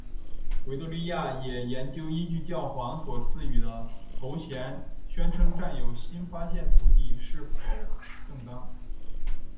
维多利亚也研究依据教皇所赠与的头衔宣称占有新发现土地是否正当。